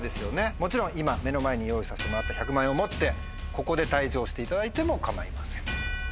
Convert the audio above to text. もちろん今目の前に用意させてもらった１００万円を持ってここで退場していただいても構いません。